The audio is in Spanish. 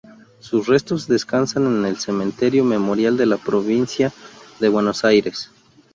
Sus restos descansan en el Cementerio Memorial de la provincia de Buenos Aires.